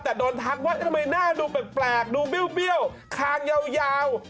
แต่โดนทักว่าทำไมหน้าดูแปลกดูเบี้ยวคางยาว